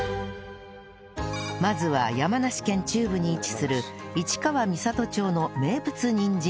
まずは山梨県中部に位置する市川三郷町の名物にんじん料理